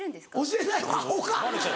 教えないわアホか！